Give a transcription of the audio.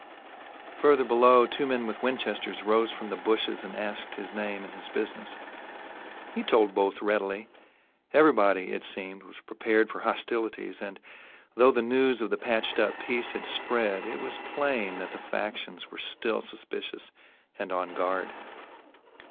Farther below, two men with Winchesters rose from the bushes and asked his name and his business. He told both readily. Everybody, it seemed, was prepared for hostilities and, though the news of the patched up peace had spread, it was plain that the factions were still suspicious and on guard.